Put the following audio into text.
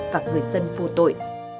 và người dân vô tội